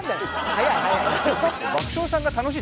早い早い。